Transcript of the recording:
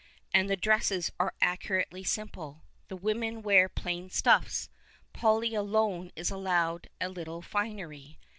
And the dresses are accurately simple. The women wear plain stuffs ; Polly alone is allowed a little finery.